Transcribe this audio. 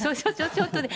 ちょっとね。